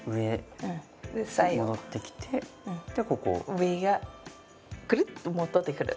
上がくるっと戻ってくる。